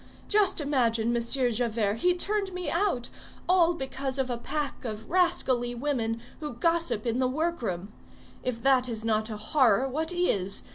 Just imagine, Monsieur Javert, he turned me out! all because of a pack of rascally women, who gossip in the workroom. If that is not a horror, what is?